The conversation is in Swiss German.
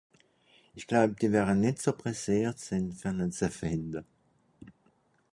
Ìch gläub, die wäre nìtt so presseert sìn, fer ne ze fìnde.